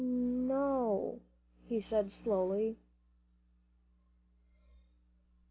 "N no," he said slowly.